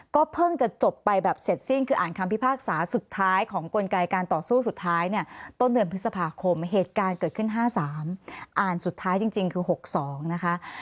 ก็เพิ่งจะจบไปแบบเสร็จสิ้นคืออ่านคำพิพากษาสุดท้ายของกลไกการต่อสู้สุดท้ายเนี่ยต้นเดือนพฤษภาคมเหตุการณ์เกิดขึ้น๕๓อ่านสุดท้ายจริงคือ๖๒นะคะ